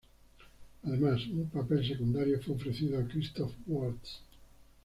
Además, un papel secundario fue ofrecido a Christoph Waltz.